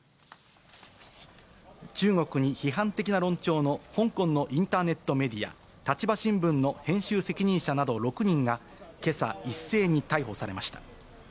中国に批判的な論調の香港のインターネットメディア、立場新聞の編集責任者など６人が、けさ、一斉に逮捕されました。